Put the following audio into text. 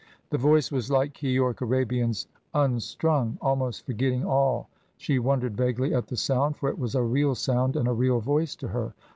The voice was like Keyork Arabian's. Unstrung, almost forgetting all, she wondered vaguely at the sound, for it was a real sound and a real voice to her.